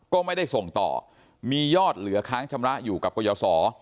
ก็ไม่ได้ส่งต่อมียอดเหลือค้างชำระอยู่กับกรยาศร